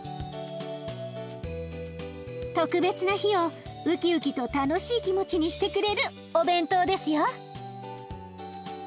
特別な日をウキウキと楽しい気持ちにしてくれるお弁当ですよ。